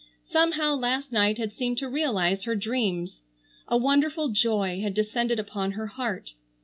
Somehow last night had seemed to realize her dreams. A wonderful joy had descended upon her heart.